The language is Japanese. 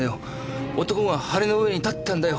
男が翼の上に立ってたんだよ。